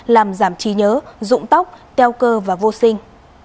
làm giảm trí nhớ dụng tóc teo cơ và vô sinh